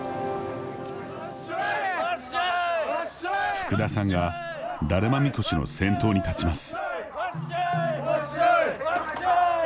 福田さんがダルマみこしの先頭に立ちます。